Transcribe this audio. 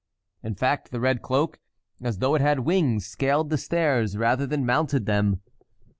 In fact the red cloak, as though it had wings, scaled the stairs rather than mounted them.